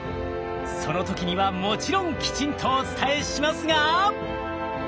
その時にはもちろんきちんとお伝えしますが。